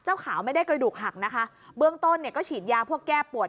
ขาวไม่ได้กระดูกหักนะคะเบื้องต้นเนี่ยก็ฉีดยาพวกแก้ปวด